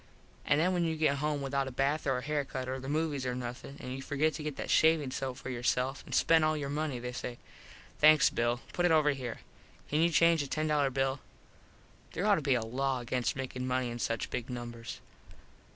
An then when you get home without a bath or a hair cut or the movies or nothin, an you forgot to get that shavin soap for yourself an spent all your money they say "Thanks Bill. Put it over there. Can you change a ten dollar bill?" There ought to be a law against makin money in such big numbers.